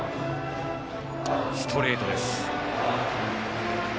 ストレートです。